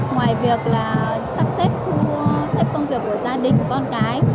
ngoài việc sắp xếp thu xếp công việc của gia đình con cái